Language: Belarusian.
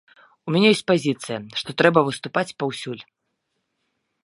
У мяне ёсць пазіцыя, што трэба выступаць паўсюль.